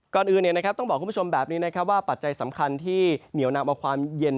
ก่อนอื่นต้องบอกคุณผู้ชมแบบนี้นะครับว่าปัจจัยสำคัญที่เหนียวนำเอาความเย็น